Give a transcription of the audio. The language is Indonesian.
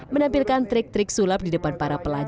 menampilkan trik trik sulap di depan para pelajar